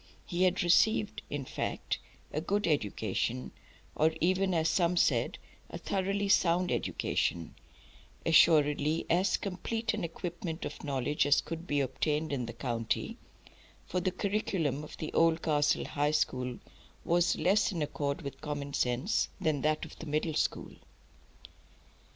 He had received, in fact, "a good education" or even, as some said, "a thoroughly sound education;" assuredly as complete an equipment of knowledge as could be obtained in the county, for the curriculum of the Oldcastle High School was less in accord with common sense than that of the Middle School.